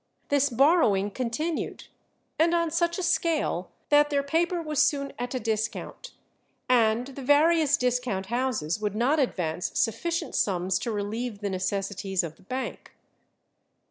This borrowing continued, and on such a scale that their paper was soon at a discount, and the various discount houses would not advance sufficient sums to relieve the necessities of the bank.